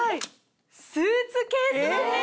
スーツケースなんです！